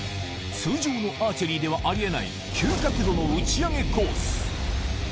通常のアーチェリーではありえない、急角度のうち上げコース。